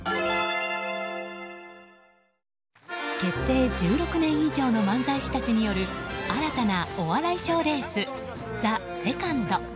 結成１６年以上の漫才師たちによる新たなお笑い賞レース「ＴＨＥＳＥＣＯＮＤ」。